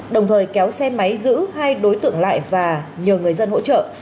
đồng thời kéo xe máy giữ hai đối tượng lại và nhờ người dân hỗ trợ